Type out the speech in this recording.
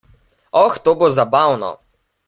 Oh, to bo zabavno!